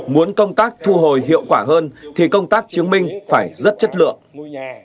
muốn công tác thu hồi hiệu quả hơn thì công tác chứng minh phải rất chất lượng